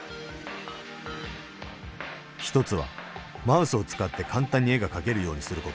１つはマウスを使って簡単に絵が描けるようにする事。